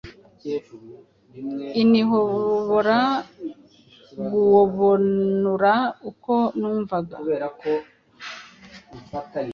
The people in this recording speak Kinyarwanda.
inhobora guobanura uko numvaga